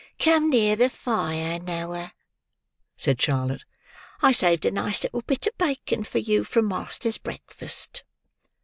"Come near the fire, Noah," said Charlotte. "I saved a nice little bit of bacon for you from master's breakfast.